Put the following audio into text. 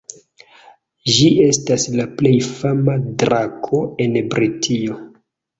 Ĝi estas la plej fama drako en Britio.